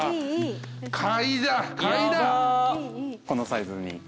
このサイズに。